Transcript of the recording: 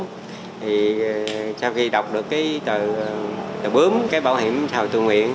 thì sau khi đọc được cái tờ bướm cái bảo hiểm xã hội tự nguyện